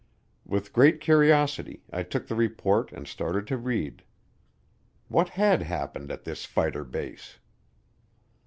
With great curiosity, I took the report and started to read. What had happened at this fighter base?